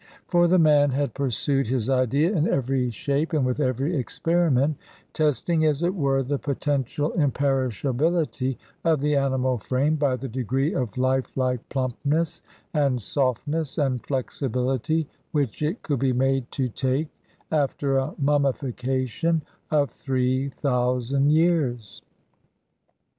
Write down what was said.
For the man had pursued his idea in every shape and with every experiment, testing, as it were, the potential imperishability of the animal frame by the degree of life like plumpness and softness and flexibility which it could be made to take after a mummification of three thousand years.